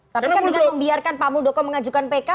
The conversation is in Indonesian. tapi kan dengan membiarkan pak muldoko mengajukan pk